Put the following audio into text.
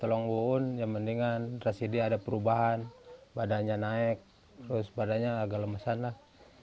tolong bu uun ya mendingan drasidi ada perubahan badannya naik terus badannya agak lemesan lah